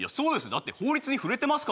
だって法律に触れてますからね